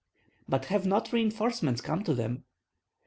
"But have not reinforcements come to them?"